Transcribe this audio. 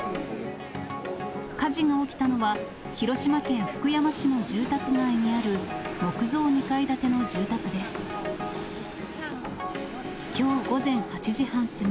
火事が起きたのは、広島県福山市の住宅街にある木造２階建ての住宅です。